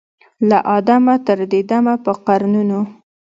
له آدمه تر دې دمه په قرنونو